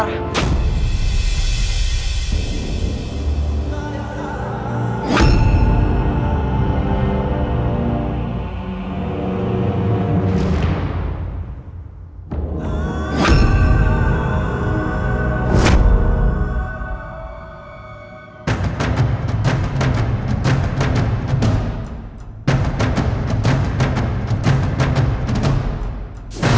kepada ratu subanglar